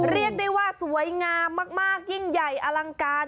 เรียกได้ว่าสวยงามมากยิ่งใหญ่อลังการ